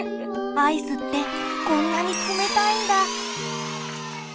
アイスってこんなに冷たいんだ！